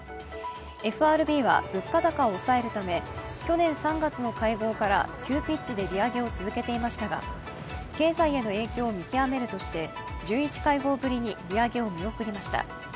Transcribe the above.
ＦＲＢは物価高を抑えるため去年３月の会合から、急ピッチで利上げを続けていましたが経済への影響を見極めるとして１１会合ぶりに利上げを見送りました。